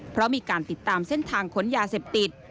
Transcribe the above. เพราะมีการติดตามเส้นทางขนยาเสพติด